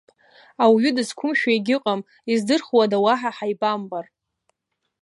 Ауаҩы дызқәымшәо егьыҟам, издырхуада уаҳа ҳаибамбар.